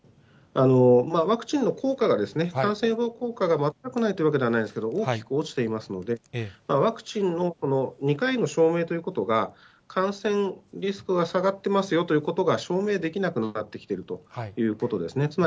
ワクチンの効果が、非感染効果が全くないというわけではないんですが、大きく落ちていますので、ワクチンの２回の証明ということが、感染リスクが下がってますよということが証明できなくなってきているということですね。